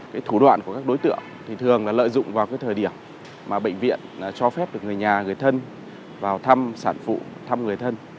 cái thủ đoạn của các đối tượng thì thường là lợi dụng vào cái thời điểm mà bệnh viện cho phép được người nhà người thân vào thăm sản phụ thăm người thân